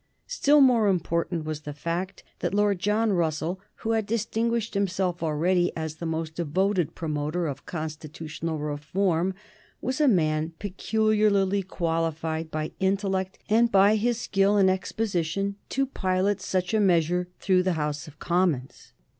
Still more important was the fact that Lord John Russell, who had distinguished himself already as the most devoted promoter of constitutional reform, was a man peculiarly qualified by intellect and by his skill in exposition to pilot such a measure through the House of Commons.